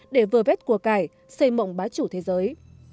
để vừa vết quà cải xây mộng bá chủ thế giới